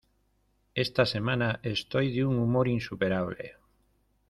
Esta semana estoy de un humor insuperable.